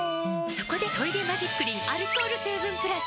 そこで「トイレマジックリン」アルコール成分プラス！